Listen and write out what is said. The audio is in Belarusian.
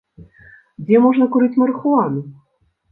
Дзе можна курыць марыхуану?